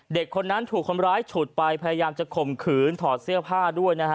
เด็กคนนั้นถูกคนร้ายฉุดไปพยายามจะข่มขืนถอดเสื้อผ้าด้วยนะฮะ